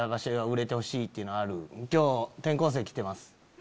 「今日転校生来てます」。